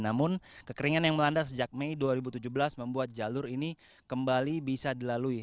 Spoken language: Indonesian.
namun kekeringan yang melanda sejak mei dua ribu tujuh belas membuat jalur ini kembali bisa dilalui